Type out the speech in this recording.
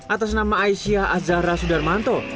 atas nama aisyah azhara sudarmanto